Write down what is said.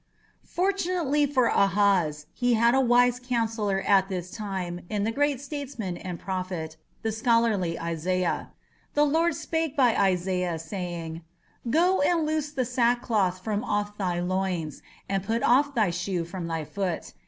Fortunately for Ahaz he had a wise counsellor at this time in the great statesman and prophet, the scholarly Isaiah. The Lord spake by Isaiah saying, "Go and loose the sackcloth from off thy loins, and put off thy shoe from thy foot.